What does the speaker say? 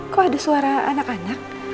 kok ada suara anak anak